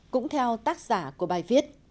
cũng theo tác giả của bài viết